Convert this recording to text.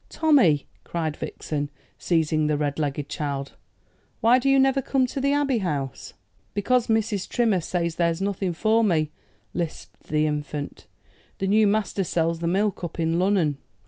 "Tommy," cried Vixen, seizing the red legged child, "why do you never come to the Abbey House?" "Because Mrs. Trimmer says there's nothing for me," lisped the infant. "The new master sells the milk up in Lunnun."